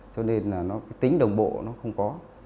cho nên tính đồng bộ nó không có